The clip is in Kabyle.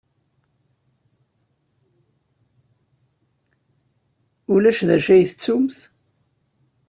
Ulac d acu ay tettumt?